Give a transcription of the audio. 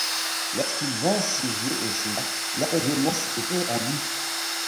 Lorsqu'il vint siéger au sénat, l'apaisement s'était fait en lui.